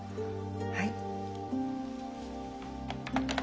はい。